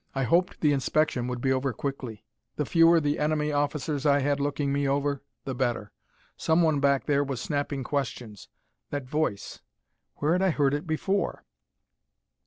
I hoped the inspection would be over quickly. The fewer the enemy officers I had looking me over, the better. Someone back there was snapping questions. That voice where had I heard it before?